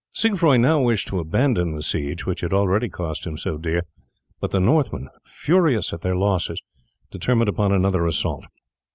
Siegfroi now wished to abandon the siege which had already cost him so dear, but the Northmen, furious at their losses, determined upon another assault.